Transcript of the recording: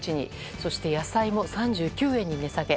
そして野菜も３９円に値下げ。